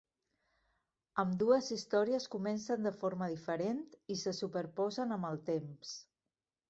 Ambdues històries comencen de forma diferent, i se superposen amb el temps.